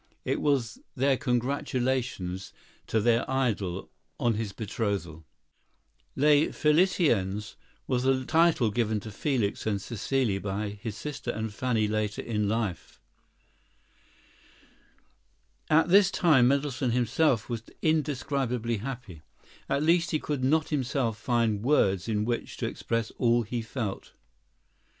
It was their congratulations to their idol on his betrothal. [Illustration: Cécile, wife of Mendelssohn.] "Les Feliciens" was the title given to Felix and Cécile by his sister Fanny later in life. At this time Mendelssohn himself was indescribably happy. At least, he could not himself find words in which to express all he felt.